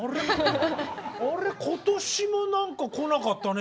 「あれ今年も何か来なかったね」